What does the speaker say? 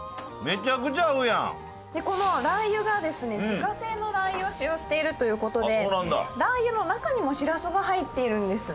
このラー油がですね自家製のラー油を使用しているという事でラー油の中にもシラスが入っているんです。